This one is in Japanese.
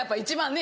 ね